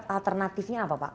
alternatifnya apa pak